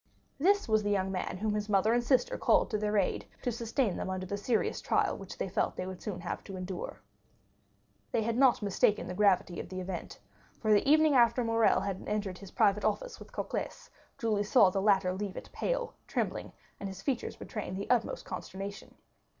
This was the young man whom his mother and sister called to their aid to sustain them under the serious trial which they felt they would soon have to endure. They had not mistaken the gravity of this event, for the moment after Morrel had entered his private office with Cocles, Julie saw the latter leave it pale, trembling, and his features betraying the utmost consternation.